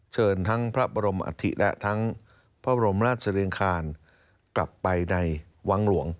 เชิญทั้งพระบรมอธิและทั้งพระบรมราชริงคารกลับไปในวังหลวง